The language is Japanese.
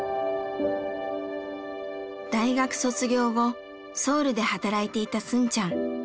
大学卒業後ソウルで働いていたスンちゃん。